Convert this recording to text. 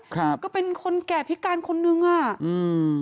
ครับก็เป็นคนแก่พิการคนนึงอ่ะอืม